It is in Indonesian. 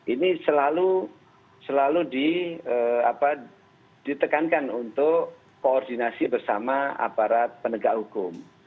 ini selalu selalu di apa ditekankan untuk koordinasi bersama aparat penegak hukum